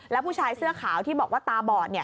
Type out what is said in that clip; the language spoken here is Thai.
แล้วผู้ชายเสื้อขาวที่บอกว่าตาบอด